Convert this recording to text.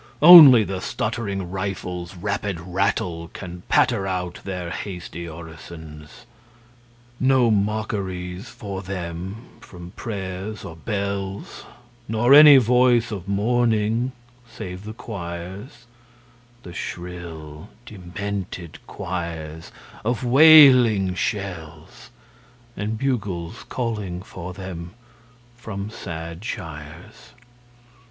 Only the stuttering rifles' rapid rattle Can patter out their hasty orisons. No mockeries for them from prayers or bells, Nor any voice of mourning save the choirs The shrill, demented choirs of wailing shells; And bugles calling for them from sad shires.